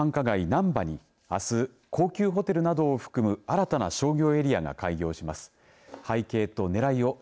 なんばにあす、高級ホテルなどを含む新たな商業エリアが開業します。